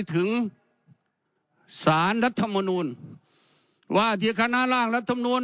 ถึงสารรัฐมนูลว่าที่คณะร่างรัฐมนูล